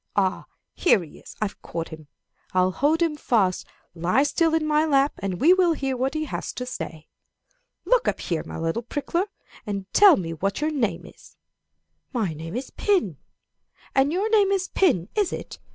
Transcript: Ah, here he is I've caught him! I'll hold him fast. Lie still in my lap, and we will hear what he has to say. "'Look up here, my little prickler, and tell me what your name is. My name is pin. Ah, your name is pin, is it?